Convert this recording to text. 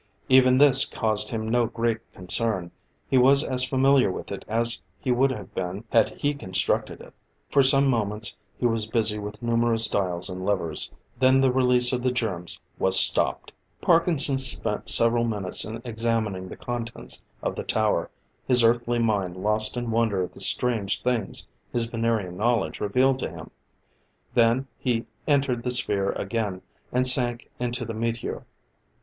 Even this caused him no great concern; he was as familiar with it as he would have been had he constructed it. For some moments he was busy with numerous dials and levers; then the release of the germs was stopped. Parkinson spent several minutes in examining the contents of the tower, his Earthly mind lost in wonder at the strange things his Venerian knowledge revealed to him. Then he entered the sphere again, and sank into the meteor.